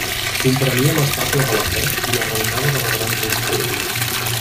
Comprenia l'estàtua de la Fe i l'arrancada de la gran rosassa.